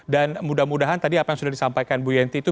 dan mudah mudahan tadi apa yang sudah disampaikan ibu yenty itu